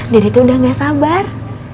dede tuh udah gak sabar